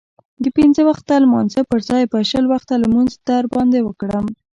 د پنځه وخته لمانځه پرځای به شل وخته لمونځ در باندې وکړم.